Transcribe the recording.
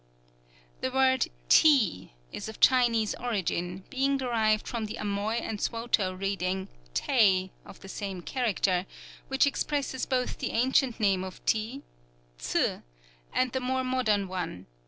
The word TEA is of Chinese origin, being derived from the Amoy and Swatow reading, "Tay," of the same character, which expresses both the ancient name of tea, "T'su," and the more modern one, "Cha."